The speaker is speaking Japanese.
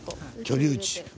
居留地。